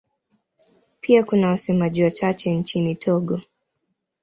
Pia kuna wasemaji wachache nchini Togo.